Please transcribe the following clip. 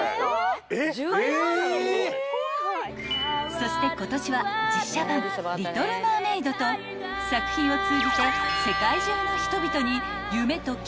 ［そして今年は実写版『リトル・マーメイド』と作品を通じて］